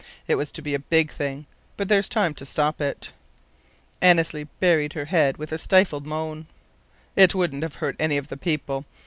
It was to be a big thing. But there's time to stop it." Annesley buried her head with a stifled moan. "It wouldn't have hurt any of the people.